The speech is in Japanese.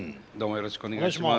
よろしくお願いします。